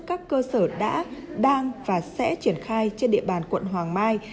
các cơ sở đã đang và sẽ triển khai trên địa bàn quận hoàng mai